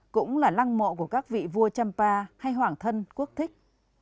cũng là lăng mộ của các vị vua champa hay hoàng thân quốc thích